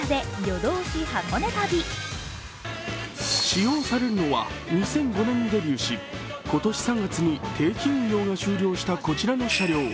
使用されるのは２００５年にデビューし今年３月に定期運用が終了したこちらの車両。